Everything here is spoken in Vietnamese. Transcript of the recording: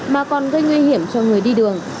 mà còn gây nguy hiểm cho người đi đường